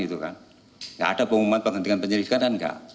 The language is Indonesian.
tidak ada pengumuman penghentian penyelidikan kan